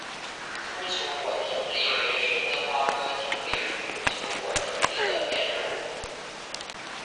粗球果葶苈为十字花科葶苈属球果葶苈的变种。